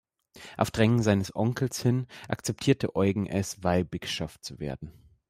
Auf Drängen seines Onkels hin akzeptierte Eugen es, Weihbischof zu werden.